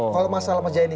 kalau masalah masjid ini